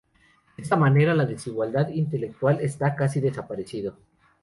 De esta manera la desigualdad intelectual está casi desaparecido.